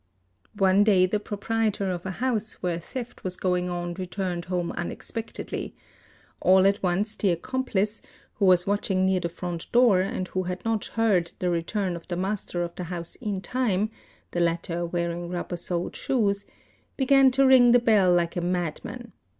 One day the proprietor of a house where a theft was going on returned home unexpectedly ; all at once the accomp lice, who was watching near the front door and who had not heard the return of the master of the house in time, the latter wearing rubber soled shoes, began to ring the bell like a madman.